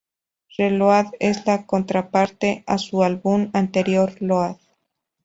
ReLoad es la contraparte a su álbum anterior, "Load".